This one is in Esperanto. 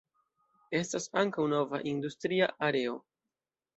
Estas ankaŭ nova industria areo.